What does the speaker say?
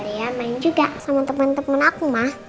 saya main juga sama temen temen aku ma